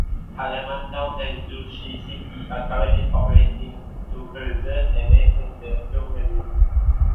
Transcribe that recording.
Hayama Town and Zushi City are currently cooperating to preserve and maintain the tumuli.